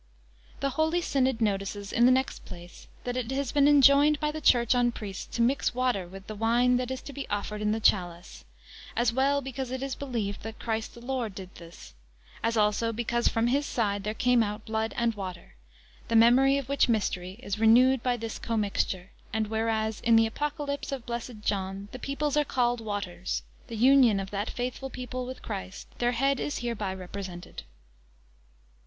The holy Synod notices, in the next place, that it has been enjoined by the Church on priests, to mix water with the wine that is to be offered in the chalice; as well because it is believed that Christ the Lord did this, as also because from His side there came out blood and water; the memory of which mystery is renewed by this commixture; and, whereas in the apocalypse of blessed John, the peoples are called waters, the union of that faithful people with Christ their head is hereby represented.